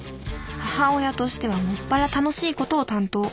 母親としては専ら楽しいことを担当。